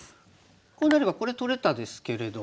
こうなればこれ取れたですけれども。